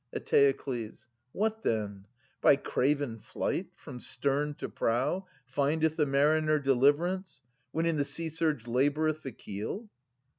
Eteokles. What then ?— by craven flight from stern to prow* Findeth the mariner deliverance When in the sea surge laboureth the keel